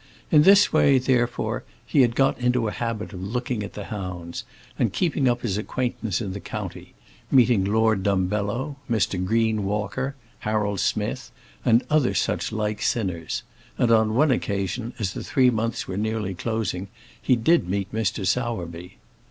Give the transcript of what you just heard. In this way, therefore, he had got into a habit of looking at the hounds, and keeping up his acquaintance in the county, meeting Lord Dumbello, Mr. Green Walker, Harold Smith, and other such like sinners; and on one such occasion, as the three months were nearly closing, he did meet Mr. Sowerby.